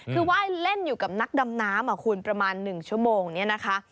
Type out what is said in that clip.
คือไหว้เล่นอยู่กับนักดำน้ำคุณประมาณ๑ชั่วโมงนี้นะคะ